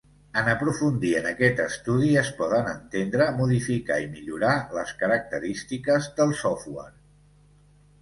En aprofundir en aquest estudi, es poden entendre, modificar i millorar les característiques del software.